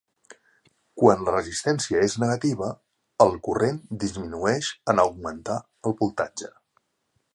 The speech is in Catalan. Quan la resistència és negativa, el corrent disminueix en augmentar el voltatge.